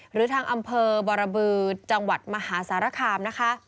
หรือทางอำเภอบรบือจังหวัดมหาสารคามนะคะ